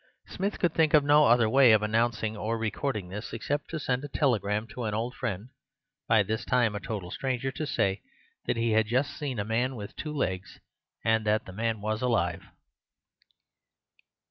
Smith could think of no other way of announcing or recording this, except to send a telegram to an old friend (by this time a total stranger) to say that he had just seen a man with two legs; and that the man was alive.